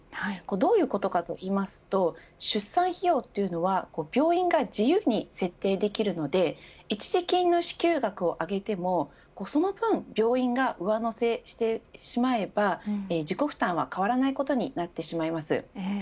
どういうことかというと出産費用というのは病院が自由に設定できるので一時金の支給額を上げてもその分病院が上乗せしてしまえば自己負担は変わらないことになってしまいます。